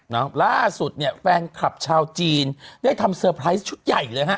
ล่าสุดเนี่ยแฟนคลับชาวจีนได้ทำเซอร์ไพรส์ชุดใหญ่เลยฮะ